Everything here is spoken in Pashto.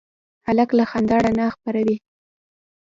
هلک له خندا رڼا خپروي.